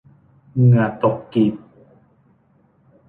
เหงื่อตกกีบ